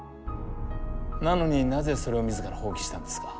なのになぜそれを自ら放棄したんですか？